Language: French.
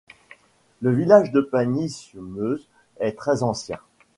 Le village de Pagny-sur-Meuse est très ancien.